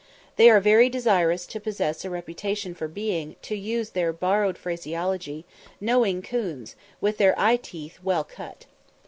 They are very desirous to possess a reputation for being, to use their borrowed phraseology, "Knowing 'coons, with their eye teeth well cut."